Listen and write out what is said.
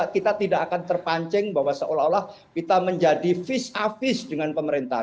kita tidak akan terpancing bahwa seolah olah kita menjadi vis a vis dengan pemerintah